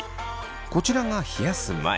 こちらが冷やす前。